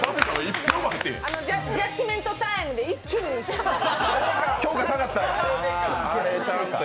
「ジャッジメントタイム」で一気に下がった。